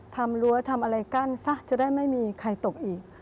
รั้วทำอะไรกั้นซะจะได้ไม่มีใครตกอีก